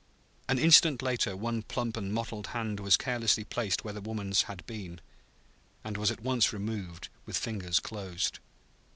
An instant later one plump and mottled hand was carelessly placed where the woman's had been; and was at once removed with fingers closed.